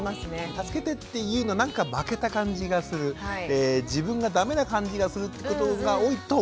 助けてって言うのなんか負けた感じがする自分が駄目な感じがするってことが多いと思うんですよきっとね。